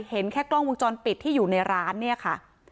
เห็นแค่กล้องวงจรปิดที่อยู่ในร้านเนี่ยค่ะ